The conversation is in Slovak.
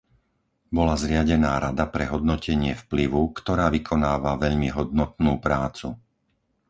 Bola zriadená Rada pre hodnotenie vplyvu, ktorá vykonáva veľmi hodnotnú prácu.